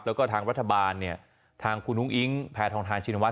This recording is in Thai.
แล้วก็ทางรัฐบาลเนี่ยทางคุณอุ้งอิ๊งแพทองทานชินวั